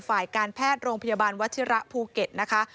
ฝ่ายการแพทย์โรงพยาบาลวัชิระภูเก็ตนะคะ